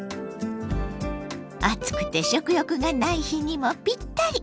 暑くて食欲がない日にもぴったり！